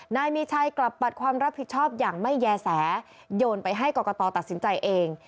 นายมีชัยกลับปัดความรับผิดชอบอย่างไม่แย่แสโยนไปให้กรกตตัดสินใจเอง